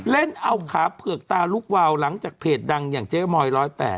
เล่นเอาขาเผือกตาลุกวาวหลังจากเพจดังอย่างเจ๊มอย๑๐๘